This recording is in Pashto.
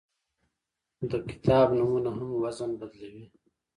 د کتاب نومونه هم وزن بدلوي.